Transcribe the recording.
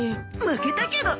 負けたけど。